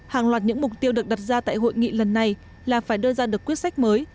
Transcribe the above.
hàng loạt những mục tiêu được đặt ra tại hội nghị lần này là phải đưa ra được quyết sách mới